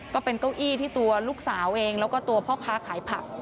ก็เป็นเก้าอี้ที่ตัวลูกสาวเองแล้วก็ตัวพ่อค้าขายผัก